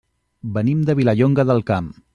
Venim de Vilallonga del Camp.